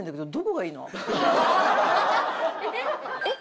えっ？